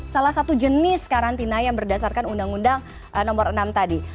salah satu jenis karantina yang berdasarkan undang undang nomor enam tadi